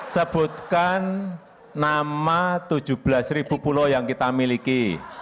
sebutkan nama tujuh belas pulau yang kita miliki